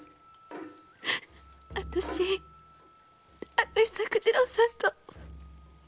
私作次郎さんと。